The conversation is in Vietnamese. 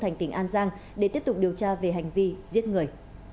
thành tỉnh an giang để tiếp tục điều tra về hành vi giết người